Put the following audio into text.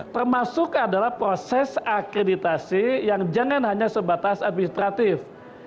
termasuk adalah proses akreditasi yang jangan hanya sebatas administratif